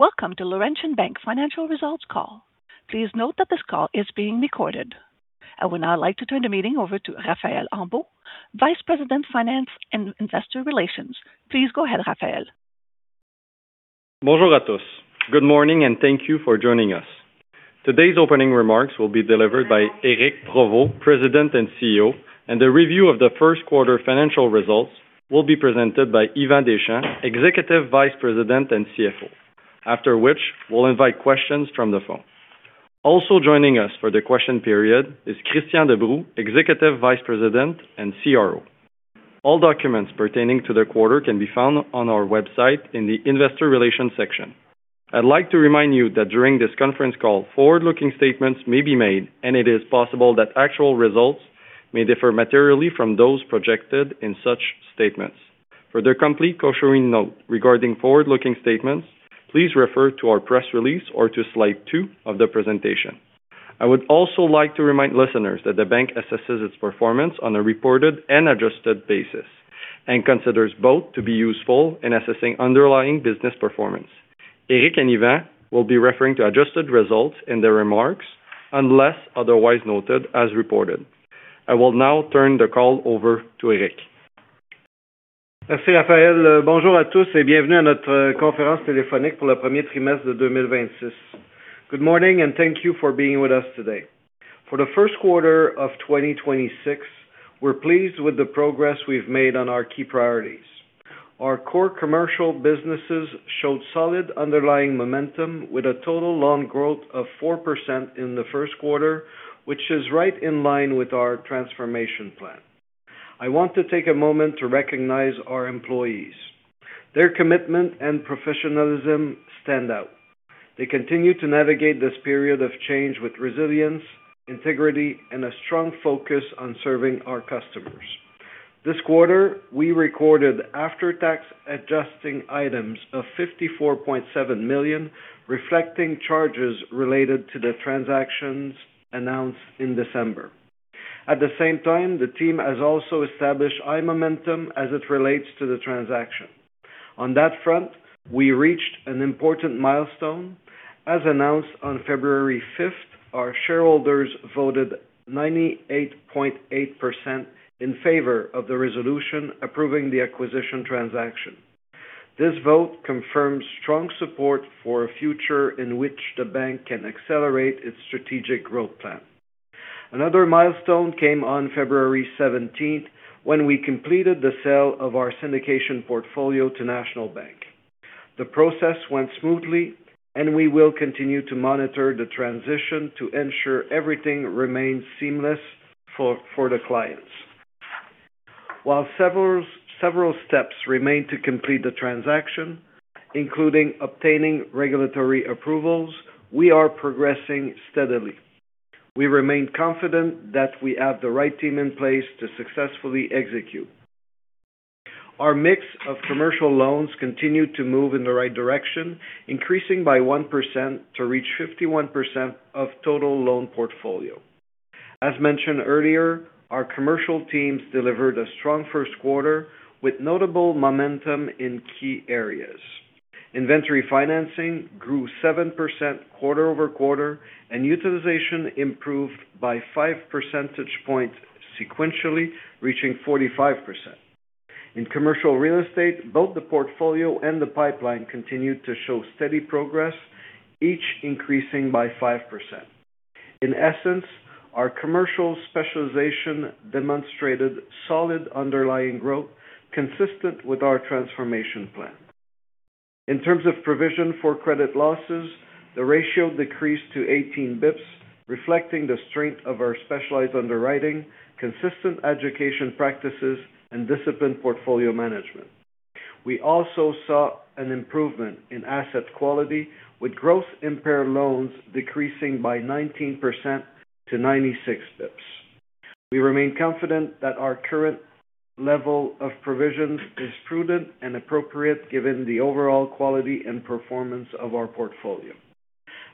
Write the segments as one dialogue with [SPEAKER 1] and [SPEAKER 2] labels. [SPEAKER 1] Welcome to Laurentian Bank Financial Results call. Please note that this call is being recorded. I would now like to turn the meeting over to Raphaël Ambeault, Vice President, Finance and Investor Relations. Please go ahead, Raphaël.
[SPEAKER 2] Bonjour a tous. Good morning. Thank you for joining us. Today's opening remarks will be delivered by Éric Provost, President and CEO. The review of the first quarter financial results will be presented by Yvan Deschamps, Executive Vice President and CFO, after which we'll invite questions from the phone. Also joining us for the question period is Christian De Broux, Executive Vice President and CRO. All documents pertaining to the quarter can be found on our website in the Investor Relations section. I'd like to remind you that during this conference call, forward-looking statements may be made. It is possible that actual results may differ materially from those projected in such statements. For the complete cautioning note regarding forward-looking statements, please refer to our press release or to slide two of the presentation. I would also like to remind listeners that the bank assesses its performance on a reported and adjusted basis, and considers both to be useful in assessing underlying business performance. Éric and Yvan will be referring to adjusted results in their remarks, unless otherwise noted as reported. I will now turn the call over to Éric.
[SPEAKER 3] Merci, Raphaël. Bonjour a tous et bienvenue a notre conference telephone pour le premier trimestre de 2026. Good morning. Thank you for being with us today. For the first quarter of 2026, we're pleased with the progress we've made on our key priorities. Our core commercial businesses showed solid underlying momentum, with a total loan growth of 4% in the first quarter, which is right in line with our transformation plan. I want to take a moment to recognize our employees. Their commitment and professionalism stand out. They continue to navigate this period of change with resilience, integrity, and a strong focus on serving our customers. This quarter, we recorded after-tax adjusting items of 54.7 million, reflecting charges related to the transactions announced in December. At the same time, the team has also established high momentum as it relates to the transaction. On that front, we reached an important milestone. As announced on February 5, our shareholders voted 98.8% in favor of the resolution approving the acquisition transaction. This vote confirms strong support for a future in which the bank can accelerate its strategic growth plan. Another milestone came on February 17, when we completed the sale of our syndication portfolio to National Bank. The process went smoothly, and we will continue to monitor the transition to ensure everything remains seamless for the clients. While several steps remain to complete the transaction, including obtaining regulatory approvals, we are progressing steadily. We remain confident that we have the right team in place to successfully execute. Our mix of commercial loans continued to move in the right direction, increasing by 1% to reach 51% of total loan portfolio. As mentioned earlier, our commercial teams delivered a strong first quarter with notable momentum in key areas. Inventory financing grew 7% quarter-over-quarter, and utilization improved by five percentage points sequentially, reaching 45%. In commercial real estate, both the portfolio and the pipeline continued to show steady progress, each increasing by 5%. In essence, our commercial specialization demonstrated solid underlying growth consistent with our transformation plan. In terms of Provision for Credit Losses, the ratio decreased to 18 bps, reflecting the strength of our specialized underwriting, consistent education practices, and disciplined portfolio management. We also saw an improvement in asset quality, with gross impaired loans decreasing by 19% to 96 bps. We remain confident that our current level of provisions is prudent and appropriate, given the overall quality and performance of our portfolio.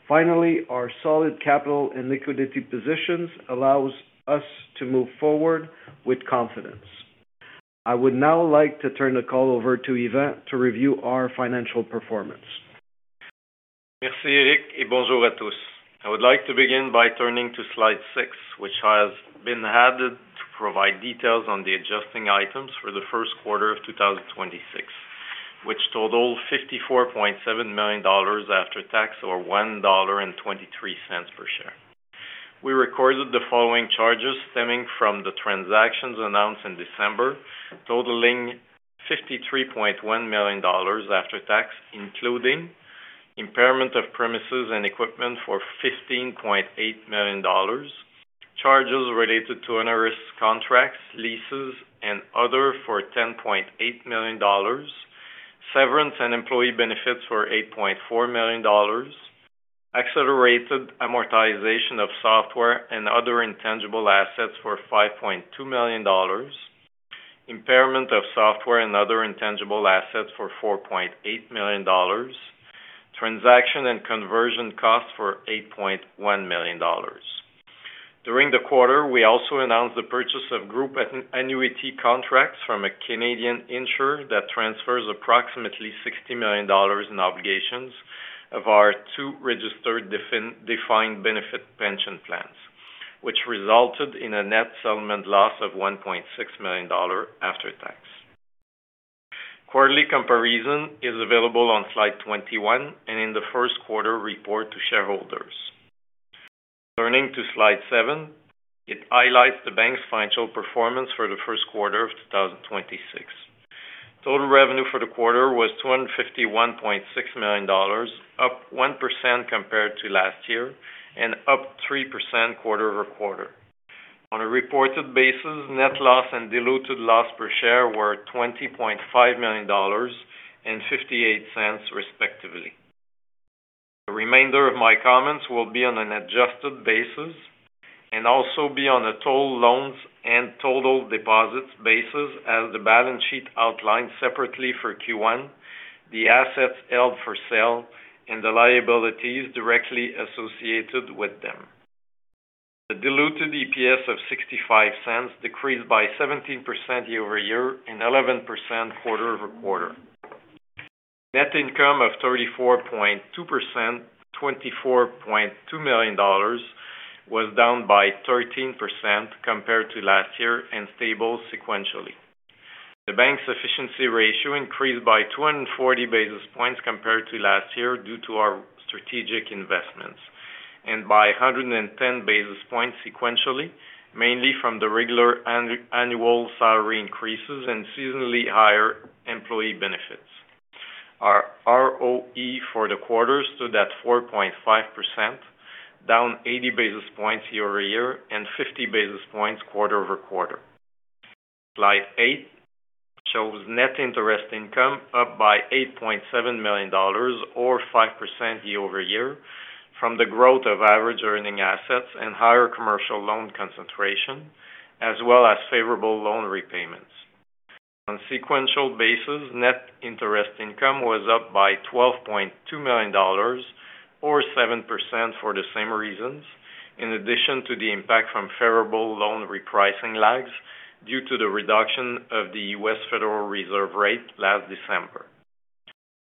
[SPEAKER 3] Finally, our solid capital and liquidity positions allows us to move forward with confidence. I would now like to turn the call over to Yvan to review our financial performance.
[SPEAKER 4] Merci, Éric, et bonjour a tous. I would like to begin by turning to slide six, which has been added to provide details on the adjusting items for the first quarter of 2026, which totaled 54.7 million dollars after tax, or 1.23 dollar per share. We recorded the following charges stemming from the transactions announced in December, totaling 53.1 million dollars after tax, including impairment of premises and equipment for 15.8 million dollars, charges related to interest contracts, leases, and other for 10.8 million dollars, severance and employee benefits for 8.4 million dollars, accelerated amortization of software and other intangible assets for 5.2 million dollars, impairment of software and other intangible assets for 4.8 million dollars, transaction and conversion costs for 8.1 million dollars. During the quarter, we also announced the purchase of group annuity contracts from a Canadian insurer that transfers approximately 60 million dollars in obligations of our two registered defined benefit pension plans, which resulted in a net settlement loss of 1.6 million dollar after tax. Quarterly comparison is available on slide 21 and in the first quarter report to shareholders. Turning to slide 7, it highlights the bank's financial performance for the first quarter of 2026. Total revenue for the quarter was 251.6 million dollars, up 1% compared to last year and up 3% quarter-over-quarter. On a reported basis, net loss and diluted loss per share were 20.5 million dollars and 0.58, respectively. The remainder of my comments will be on an adjusted basis and also be on a total loans and total deposits basis, as the balance sheet outlines separately for Q1, the assets held for sale, and the liabilities directly associated with them. The diluted EPS of 0.65 decreased by 17% year-over-year and 11% quarter-over-quarter. Net income of 34.2%, 24.2 million dollars, was down by 13% compared to last year and stable sequentially. The bank's efficiency ratio increased by 240 basis points compared to last year, due to our strategic investments, and by 110 basis points sequentially, mainly from the regular annual salary increases and seasonally higher employee benefits. Our ROE for the quarter stood at 4.5%, down 80 basis points year-over-year and 50 basis points quarter-over-quarter. Slide eight shows net interest income up by 8.7 million dollars or 5% year-over-year from the growth of average earning assets and higher commercial loan concentration, as well as favorable loan repayments. On sequential basis, net interest income was up by 12.2 million dollars or 7% for the same reasons, in addition to the impact from favorable loan repricing lags due to the reduction of the U.S. Federal Reserve rate last December.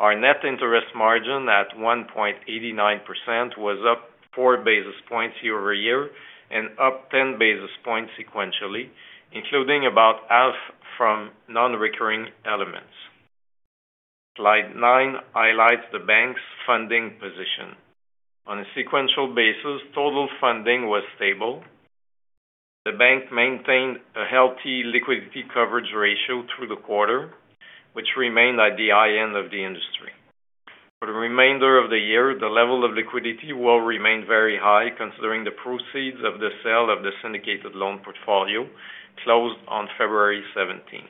[SPEAKER 4] Our net interest margin, at 1.89%, was up four basis points year-over-year and up 10 basis points sequentially, including about half from non-recurring elements. Slide nine highlights the bank's funding position. On a sequential basis, total funding was stable. The bank maintained a healthy liquidity coverage ratio through the quarter, which remained at the high end of the industry. For the remainder of the year, the level of liquidity will remain very high, considering the proceeds of the sale of the syndicated loan portfolio closed on February seventeenth.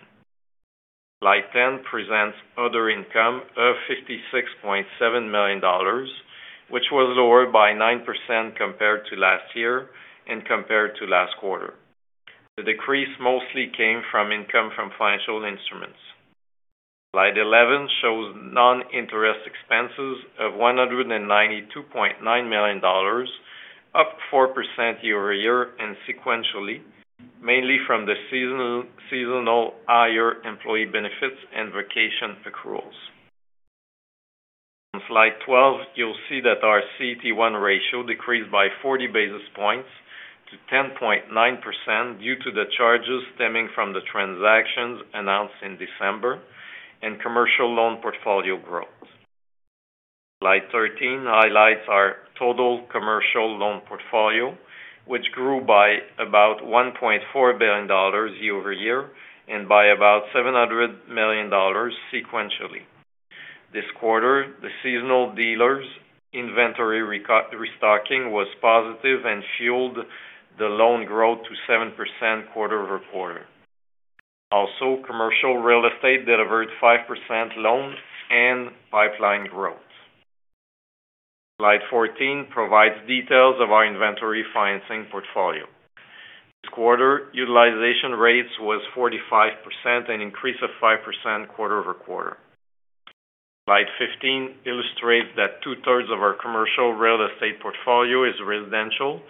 [SPEAKER 4] Slide 10 presents other income of 56.7 million dollars, which was lower by 9% compared to last year and compared to last quarter. The decrease mostly came from income from financial instruments. Slide 11 shows non-interest expenses of 192.9 million dollars, up 4% year-over-year and sequentially, mainly from the seasonal higher employee benefits and vacation accruals. On Slide 12, you'll see that our CET1 ratio decreased by 40 basis points to 10.9%, due to the charges stemming from the transactions announced in December and commercial loan portfolio growth. Slide 13 highlights our total commercial loan portfolio, which grew by about 1.4 billion dollars year-over-year and by about 700 million dollars sequentially. This quarter, the seasonal dealers' inventory restocking was positive and fueled the loan growth to 7% quarter-over-quarter. Commercial real estate delivered 5% loan and pipeline growth. Slide 14 provides details of our inventory financing portfolio. This quarter, utilization rates was 45%, an increase of 5% quarter-over-quarter. Slide 15 illustrates that two-thirds of our commercial real estate portfolio is residential,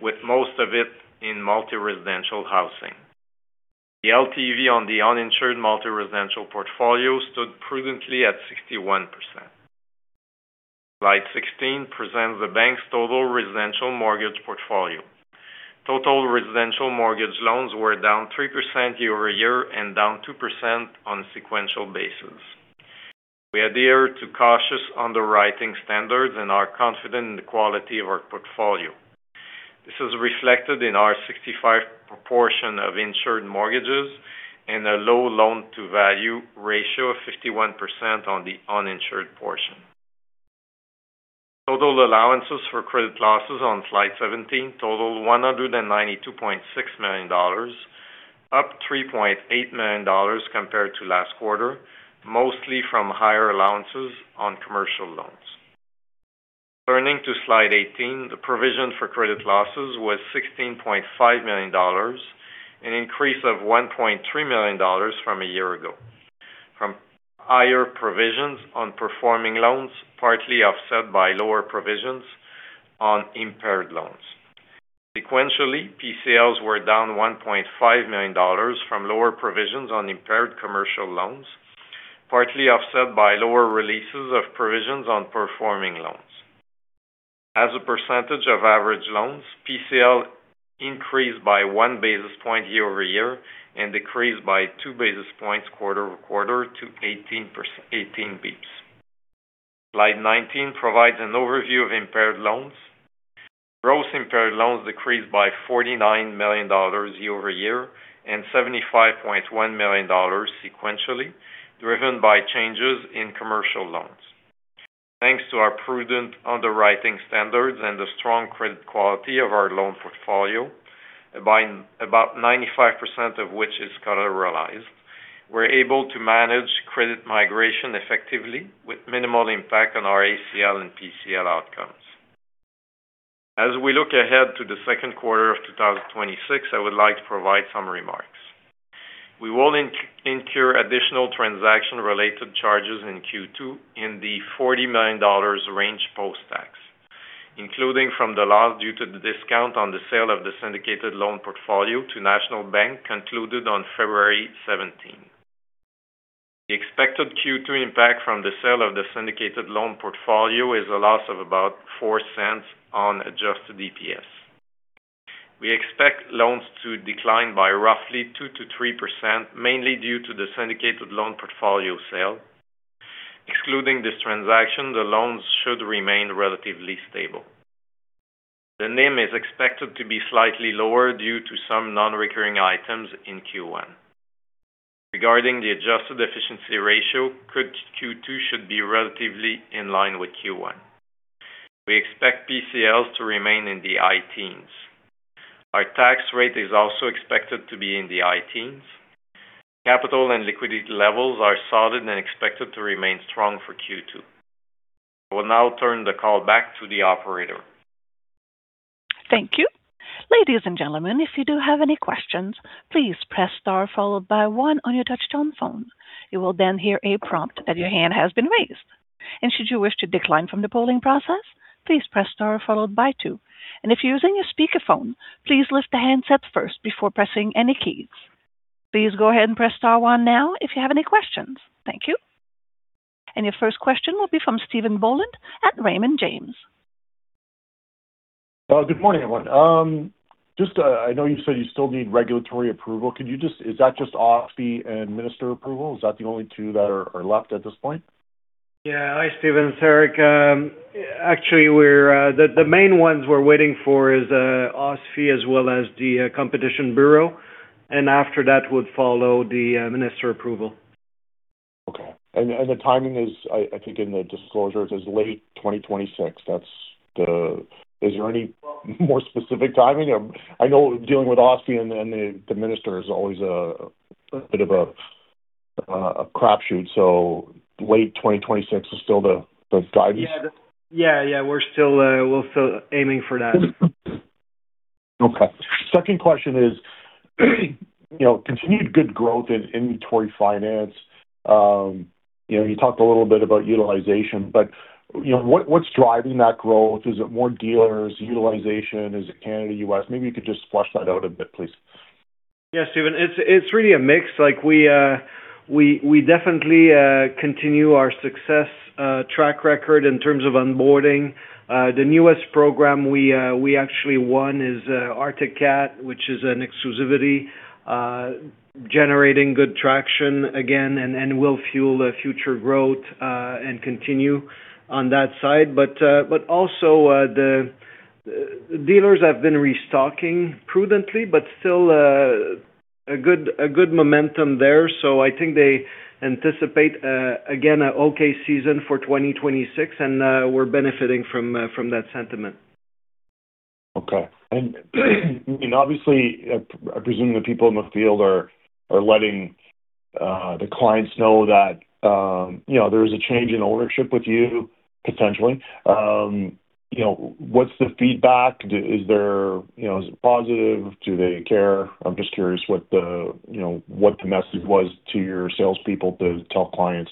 [SPEAKER 4] with most of it in multi-residential housing. The LTV on the uninsured multi-residential portfolio stood prudently at 61%. Slide 16 presents the bank's total residential mortgage portfolio. Total residential mortgage loans were down 3% year-over-year and down 2% on a sequential basis. We adhere to cautious underwriting standards and are confident in the quality of our portfolio. This is reflected in our 65% proportion of insured mortgages and a low loan-to-value ratio of 51% on the uninsured portion. Total allowances for credit losses on slide 17 total 192.6 million dollars, up 3.8 million dollars compared to last quarter, mostly from higher allowances on commercial loans. Turning to slide 18, the provision for credit losses was 16.5 million dollars, an increase of 1.3 million dollars from a year ago. Higher provisions on performing loans, partly offset by lower provisions on impaired loans. Sequentially, PCLs were down 1.5 million dollars from lower provisions on impaired commercial loans, partly offset by lower releases of provisions on performing loans. As a percentage of average loans, PCL increased by one basis point year-over-year and decreased by two basis points quarter-over-quarter to 18 basis points. Slide 19 provides an overview of impaired loans. Gross impaired loans decreased by 49 million dollars year-over-year, and 75.1 million dollars sequentially, driven by changes in commercial loans. Thanks to our prudent underwriting standards and the strong credit quality of our loan portfolio, by about 95% of which is collateralized, we're able to manage credit migration effectively with minimal impact on our ACL and PCL outcomes. As we look ahead to the second quarter of 2026, I would like to provide some remarks. We will incur additional transaction-related charges in Q2 in the 40 million dollars range post-tax, including from the loss due to the discount on the sale of the syndicated loan portfolio to National Bank, concluded on February 17. The expected Q2 impact from the sale of the syndicated loan portfolio is a loss of about 0.04 on adjusted EPS. We expect loans to decline by roughly 2%-3%, mainly due to the syndicated loan portfolio sale. Excluding this transaction, the loans should remain relatively stable. The NIM is expected to be slightly lower due to some non-recurring items in Q1. Regarding the adjusted efficiency ratio, Q2 should be relatively in line with Q1. We expect PCLs to remain in the high teens. Our tax rate is also expected to be in the high teens. Capital and liquidity levels are solid and expected to remain strong for Q2. I will now turn the call back to the operator.
[SPEAKER 1] Thank you. Ladies and gentlemen, if you do have any questions, please press Star followed by one on your touchtone phone. You will then hear a prompt that your hand has been raised, and should you wish to decline from the polling process, please press Star followed by two. If you're using a speakerphone, please lift the handset first before pressing any keys. Please go ahead and press Star one now if you have any questions. Thank you. Your first question will be from Stephen Boland at Raymond James.
[SPEAKER 5] Good morning, everyone. Just, I know you said you still need regulatory approval. Could you is that just OSFI and minister approval? Is that the only two that are left at this point?
[SPEAKER 3] Yeah. Hi, Stephen, it's Éric. Actually, we're the main ones we're waiting for is OSFI as well as the Competition Bureau. After that would follow the minister approval.
[SPEAKER 5] Okay. The timing is, I think in the disclosure, it says late 2026. Is there any more specific timing or? I know dealing with OSFI and the minister is always a bit of a crapshoot, late 2026 is still the guidance?
[SPEAKER 3] Yeah. Yeah, we're still aiming for that.
[SPEAKER 5] Okay. Second question is, you know, continued good growth in inventory finance. You know, you talked a little bit about utilization, but, you know, what's driving that growth? Is it more dealers utilization? Is it Canada, U.S.? Maybe you could just flush that out a bit, please.
[SPEAKER 3] Yeah, Stephen. It's really a mix. Like, we definitely continue our success track record in terms of onboarding. The newest program we actually won is Arctic Cat, which is an exclusivity, generating good traction again, and will fuel the future growth and continue on that side. Also, the dealers have been restocking prudently, but still a good momentum there. I think they anticipate again an okay season for 2026, and we're benefiting from that sentiment.
[SPEAKER 5] Okay. Obviously, I presume the people in the field are letting the clients know that, you know, there is a change in ownership with you, potentially. You know, what's the feedback? Is there, you know, is it positive? Do they care? I'm just curious what the, you know, what the message was to your salespeople to tell clients.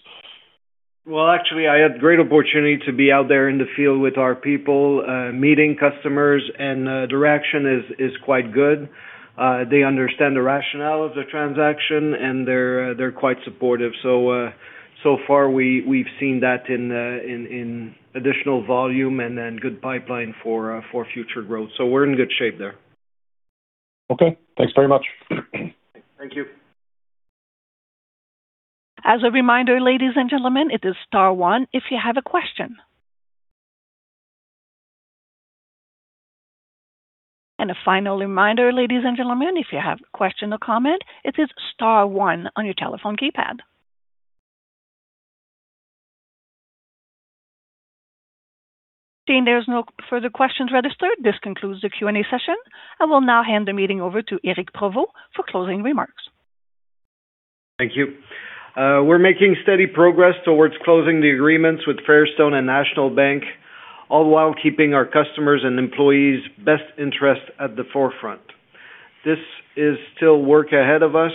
[SPEAKER 3] Actually, I had great opportunity to be out there in the field with our people, meeting customers, and the reaction is quite good. They understand the rationale of the transaction, and they're quite supportive. So far we've seen that in additional volume and then good pipeline for future growth. We're in good shape there.
[SPEAKER 5] Okay. Thanks very much.
[SPEAKER 3] Thank you.
[SPEAKER 1] As a reminder, ladies and gentlemen, it is Star one, if you have a question. A final reminder, ladies and gentlemen, if you have a question or comment, it is Star one on your telephone keypad. Seeing there's no further questions registered, this concludes the Q&A session, and we'll now hand the meeting over to Éric Provost for closing remarks.
[SPEAKER 3] Thank you. We're making steady progress towards closing the agreements with Fairstone and National Bank, all while keeping our customers and employees' best interests at the forefront. This is still work ahead of us,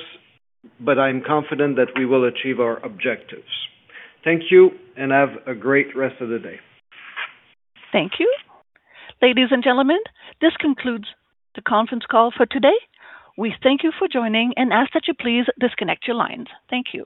[SPEAKER 3] but I'm confident that we will achieve our objectives. Thank you, and have a great rest of the day.
[SPEAKER 1] Thank you. Ladies and gentlemen, this concludes the conference call for today. We thank you for joining and ask that you please disconnect your lines. Thank you.